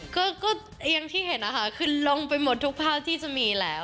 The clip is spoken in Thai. ก็อย่างที่เห็นนะคะคือลงไปหมดทุกภาคที่จะมีแล้ว